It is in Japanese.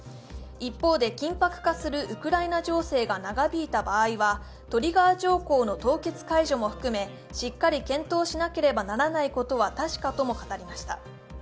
一方で緊迫化するウクライナ情勢が長引いた場合はトリガー条項の凍結解除も含めしっかり検討しなければならないことは確かとも語りました。